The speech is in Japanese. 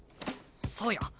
そうや。